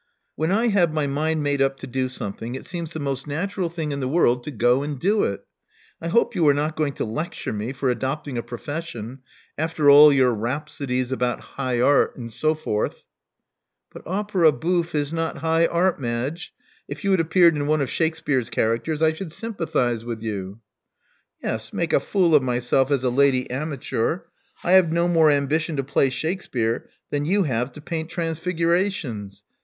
When I have my mind made up to do something, it seems the most natural thing in the world to go and do it. I hope you are not going to lecture me for adopting a profession, after all your rhapsodies about high art and so forth." But opera bouffe is not high art, Madge. If you had appeared in one of Shakspere's characters, I should sympathize with you.'* Yes, make a fool of myself as a lady amateur! I have no more ambition to play Shakspere than you have to paint Transfigurations.